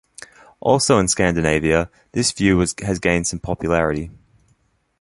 Also in Scandinavia, this view has gained some popularity.